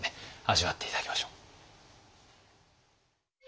味わって頂きましょう。